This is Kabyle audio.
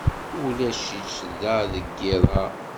Ulac-itt da deg yiḍ-a.